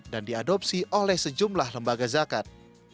dan diadopsi oleh sejumlah lembaga zakat